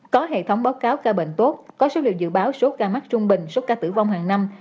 có hệ thống báo cáo ca bệnh tốt có số liệu dự báo số ca mắc trung bình số ca tử vong hàng năm